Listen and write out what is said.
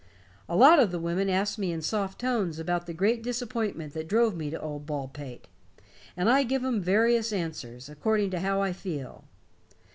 A lot of the women ask me in soft tones about the great disappointment that drove me to old Baldpate, and I give 'em various answers, according to how I feel.